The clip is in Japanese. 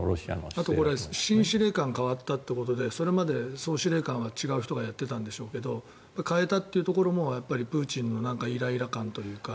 あと新司令官に代わったということでそれまで総司令官は違う人がやっていたんでしょうけど代えたというところもプーチンのイライラ感というか。